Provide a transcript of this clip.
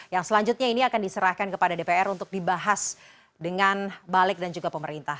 yang selanjutnya ini akan diserahkan kepada dpr untuk dibahas dengan balik dan juga pemerintah